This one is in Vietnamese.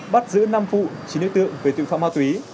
bắt giữ năm vụ chín nước tượng về tội phạm ma túy